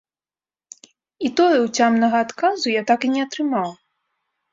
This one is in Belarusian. І тое ўцямнага адказу я так і не атрымаў.